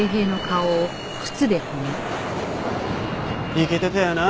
イケてたよな